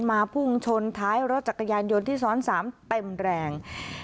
พุ่งชนท้ายรถจักรยานยนต์ที่ซ้อน๓เต็มแรง